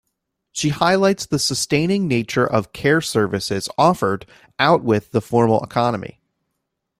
She highlights the sustaining nature of care services offered outwith the formal economy.